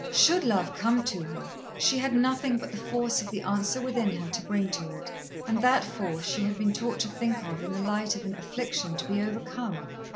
Should love come to her, she had nothing but the force of the answer within her to bring to it, and that force she had been taught to think of in the light of an affliction to be overcome.